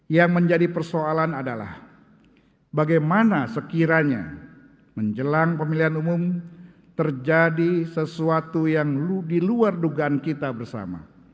yang menjadi persoalan adalah bagaimana sekiranya menjelang pemilihan umum terjadi sesuatu yang di luar dugaan kita bersama